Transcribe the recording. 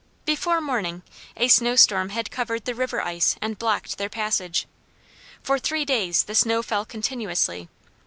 Before morning a snow storm had covered the river ice and blocked their passage. For three days, the snow fell continuously.